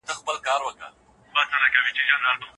که ماشوم ته پاملرنه ونه شي استعدادونه له منځه ځي.